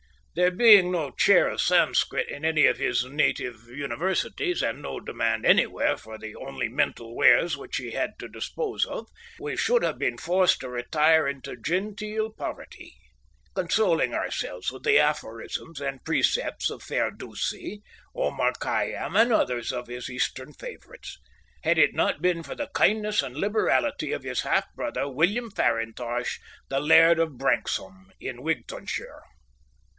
There being no chair of Sanscrit in any of his native universities, and no demand anywhere for the only mental wares which he had to dispose of, we should have been forced to retire into genteel poverty, consoling ourselves with the aphorisms and precepts of Firdousi, Omar Khayyam, and others of his Eastern favourites, had it not been for the kindness and liberality of his half brother William Farintosh, the Laird of Branksome, in Wigtownshire.